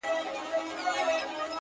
• هغه سر مي تور لحد ته برابر کړ,